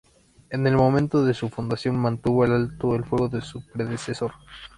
En el momento de su fundación mantuvo el alto el fuego de su predecesor.